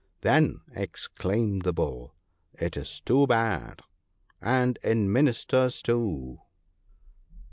' Then,' exclaimed the Bull, 'it is too bad: and in Ministers too